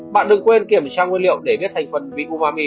bạn đừng quên kiểm tra nguyên liệu để biết thành phần vị umami